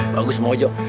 bagus pak ojo